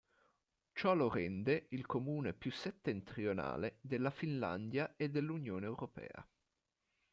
Ciò lo rende il comune più settentrionale della Finlandia e dell'Unione europea.